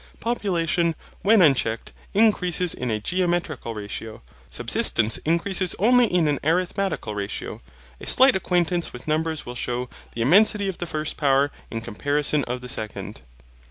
Population, when unchecked, increases in a geometrical ratio. Subsistence increases only in an arithmetical ratio. A slight acquaintance with numbers will shew the immensity of the first power in comparison of the second.